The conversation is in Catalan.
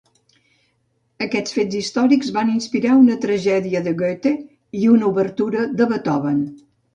Aquests fets històrics van inspirar una tragèdia de Goethe i una obertura de Beethoven.